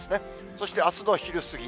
そして、あすの昼過ぎ。